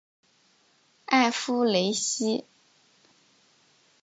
埃夫雷西。